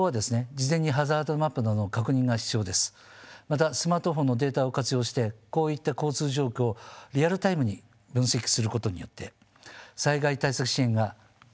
またスマートフォンのデータを活用してこういった交通状況をリアルタイムに分析することによって災害対策支援が可能になっております。